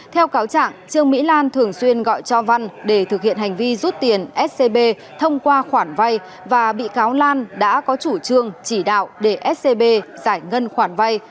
theo cáo trạng trương mỹ lan thường xuyên gọi cho văn để thực hiện hành vi rút tiền scb thông qua khoản vay và bị cáo lan đã có chủ trương chỉ đạo để scb giải ngân khoản vay